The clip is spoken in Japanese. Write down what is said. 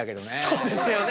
そうですよね。